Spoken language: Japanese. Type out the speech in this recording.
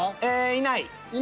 いない。